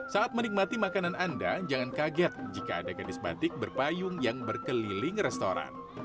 saat menikmati makanan anda jangan kaget jika ada gadis batik berpayung yang berkeliling restoran